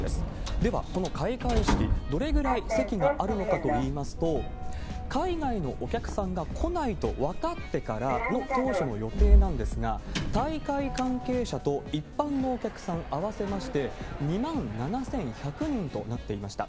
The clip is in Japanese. では、この開会式、どれぐらい席があるのかといいますと、海外のお客さんが来ないと分かってからの当初の予定なんですが、大会関係者と一般のお客さん合わせまして、２万７１００にんとなっていました。